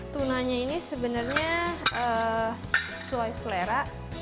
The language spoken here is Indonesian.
tunanya ini sebenarnya sesuai selera